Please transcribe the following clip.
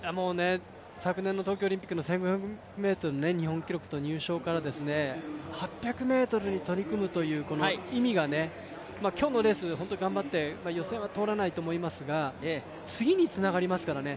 昨年の東京オリンピックの１５００ｍ、日本記録と入賞から８００に取り組むという意味が今日のレース、ホント頑張って、予選は通らないと思いますが次につながりますからね。